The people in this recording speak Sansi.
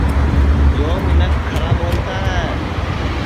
یو منکھ کھرا ٻولتا ہے